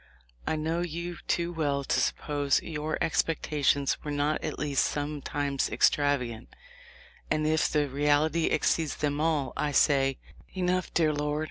I know you too well to suppose your expectations were not at least sometimes extravagant, and if the reality exceeds them all, I say, 'Enough, dear Lord.'